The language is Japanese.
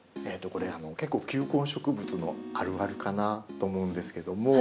これ結構球根植物のあるあるかなと思うんですけども。